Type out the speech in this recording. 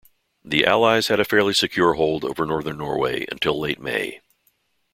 The Allies had a fairly secure hold over northern Norway until late May.